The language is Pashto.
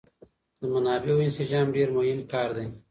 د منابعو انسجام ډېر مهم کار دی.